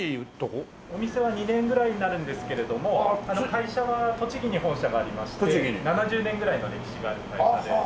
お店は２年ぐらいになるんですけれども会社は栃木に本社がありまして７０年ぐらいの歴史がある会社で。